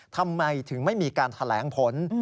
ทำไมถึงไม่มีการแถลงผล